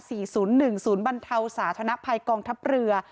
ศูนย์บรรเทาสาธารณะภัยกองทัพเรือ